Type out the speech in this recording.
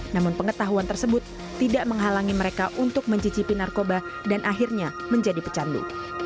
namun pengetahuan tersebut tidak menghalangi mereka untuk mencicipi narkoba dan akhirnya menjadi pecandu